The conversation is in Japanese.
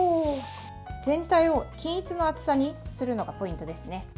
全体を均一の厚さにするのがポイントですね。